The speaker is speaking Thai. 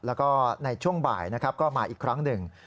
แล้วก็ในช่วงบ่ายก็มาอีกครั้งนึง